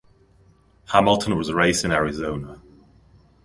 Hamilton was raised in Arizona.